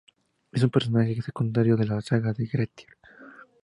Es un personaje secundario de la "saga de Grettir".